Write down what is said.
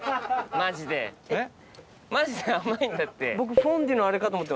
マジで甘いんだって。